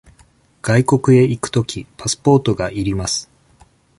外国へ行くとき、パスポートが要ります。